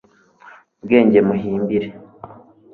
ubwenge muhimbire